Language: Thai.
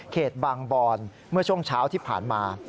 บางบอนเมื่อช่วงเช้าที่ผ่านมา